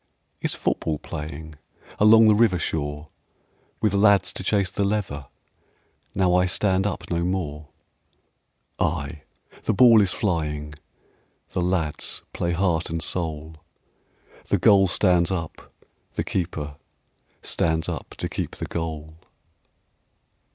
"Is football playing Along the river shore, With lads to chase the leather, Now I stand up no more?" Ay, the ball is flying, The lads play heart and soul; The goal stands up, the keeper Stands up to keep the goal.